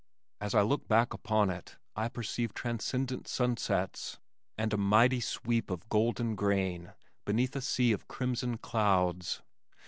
As I look back upon it, I perceive transcendent sunsets, and a mighty sweep of golden grain beneath a sea of crimson clouds.